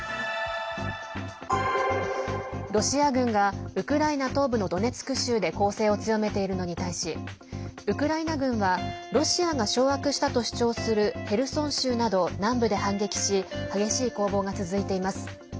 ロシア軍がウクライナ東部のドネツク州で攻勢を強めているのに対しウクライナ軍はロシアが掌握したと主張するヘルソン州など南部で反撃し激しい攻防が続いています。